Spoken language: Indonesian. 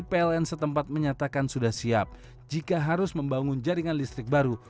pln setempat menyatakan sudah siap jika harus membangun jaringan listrik baru